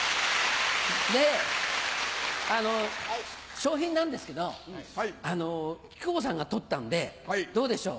賞品なんですけど木久扇さんが取ったんでどうでしょう